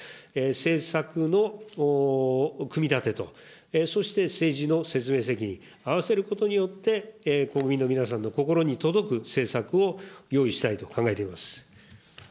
政策の組み立てと、そして政治の説明責任、合わせることによって、国民の皆さんの心に届く政策を用意したいと考えています。